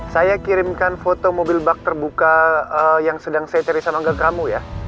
saya kirimkan foto mobil bak terbuka yang sedang saya teri sama enggak kamu ya